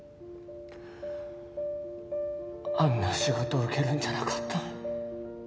あんな仕事受けるんじゃなかった。